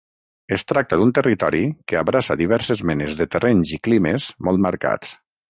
Es tracta d'un territori que abraça diverses menes de terrenys i climes molt marcats.